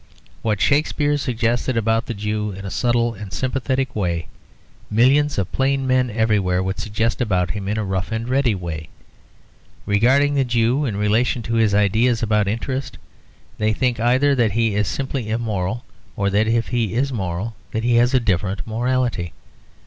What Shakespeare suggested about the Jew in a subtle and sympathetic way, millions of plain men everywhere would suggest about him in a rough and ready way. Regarding the Jew in relation to his ideas about interest, they think either that he is simply immoral; or that if he is moral, then he has a different morality.